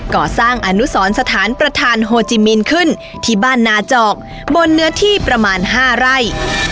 ก่อสร้างอนุสรสถานประธานโฮจิมินขึ้นที่บ้านนาจอกบนเนื้อที่ประมาณ๕ไร่